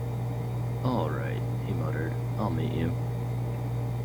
"All right," he muttered, "I'll meet you."